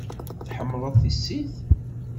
Tḥemmleḍ tissit?